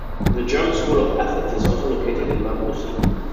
The German School of Athens is also located in Marousi.